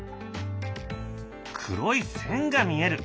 黒い線が見える。